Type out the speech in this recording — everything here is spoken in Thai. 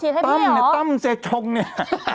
ฉีดให้พี่หรือตั้มเนี่ยตั้มเส้งชงเนี่ย